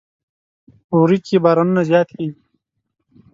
وری کې بارانونه زیات کیږي.